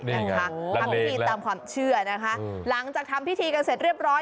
ทำพิธีตามความเชื่อนะคะหลังจากทำพิธีกันเสร็จเรียบร้อย